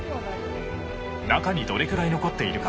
中にどれくらい残っているか